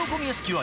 は！